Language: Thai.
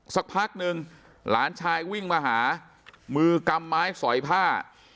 สักพักหนึ่งหลานชายวิ่งมาหามือกำไม้สอยผ้า